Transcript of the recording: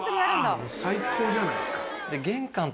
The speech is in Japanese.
うわ最高じゃないですか。